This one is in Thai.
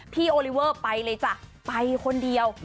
โอลิเวอร์ไปเลยจ้ะไปคนเดียว